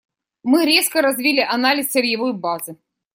Мы резко развили анализ сырьевой базы.